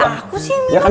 jadi aku sih minum